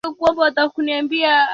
Kamera zimekuja nyingi